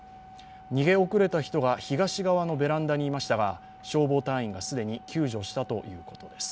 逃げ遅れた人が東側のベランダにいましたが消防隊員が既に救助したということです。